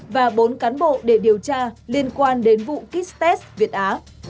và bốn cán bộ để điều tra liên quan đến vụ kit test việt á